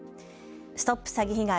ＳＴＯＰ詐欺被害！